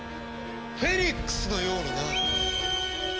フェニックスのようにな。